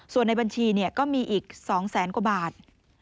ส่วนในบัญชีก็มีอีก๒แสนกว่าบาท